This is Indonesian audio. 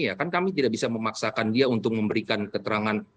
ya kan kami tidak bisa memaksakan dia untuk memberikan keterangan